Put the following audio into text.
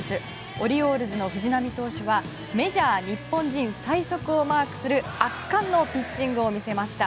オリオールズの藤浪投手はメジャー日本人最速をマークする圧巻のピッチングを見せました。